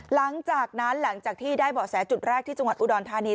หลังจากที่ได้เบาะแสจุดแรกที่จังหวัดอุดรธานี